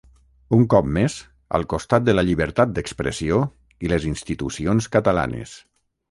Un cop més, al costat de la llibertat d'expressió i les institucions catalanes.